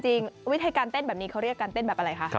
วิธีการเต้นแบบนี้เขาเรียกการเต้นแบบอะไรคะ